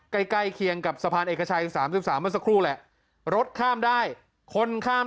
ใกล้เคียงกับสะพานเอกชัย๓๓เมื่อสักครู่แหละรถข้ามได้คนข้าม